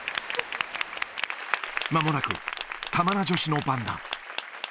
まもなく玉名女子の番だ。